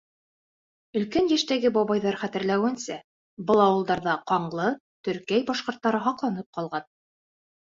Өлкән йәштәге бабайҙар хәтерләүенсә, был ауылдарҙа ҡаңлы, төркәй башҡорттары һаҡланып ҡалған.